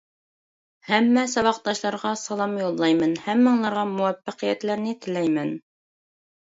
ھەممە ساۋاقداشلارغا سالام يوللايمەن، ھەممىڭلارغا مۇۋەپپەقىيەتلەرنى تىلەيمەن.